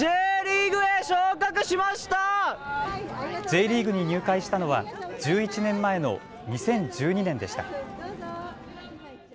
Ｊリーグに入会したのは１１年前の２０１２年でした。